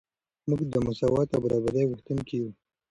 موږ د مساوات او برابرۍ غوښتونکي یو.